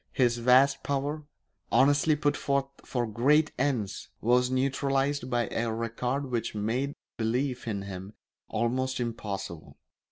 His vast power, honestly put forth for great ends, was neutralised by a record which made belief in him almost impossible.